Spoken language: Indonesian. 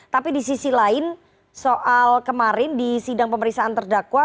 tapi di sisi lain soal kemarin di sidang pemeriksaan terdakwa